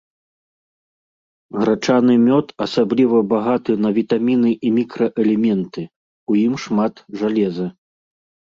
Грачаны мёд асабліва багаты на вітаміны і мікраэлементы, у ім шмат жалеза.